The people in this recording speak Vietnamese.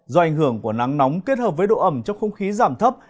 do ảnh hưởng của nắng nóng kết hợp với độ ẩm trong không khí giảm thấp